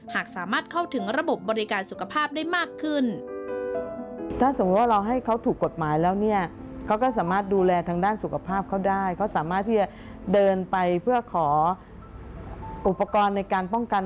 หากสามารถเข้าถึงระบบบริการสุขภาพได้มากขึ้น